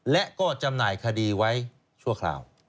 และก็จำหน่ายคดีไว้ชั่วคราว